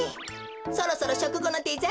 そろそろしょくごのデザートだね。